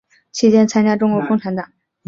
期间参加中国共产党。